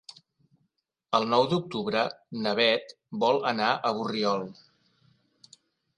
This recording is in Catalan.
El nou d'octubre na Beth vol anar a Borriol.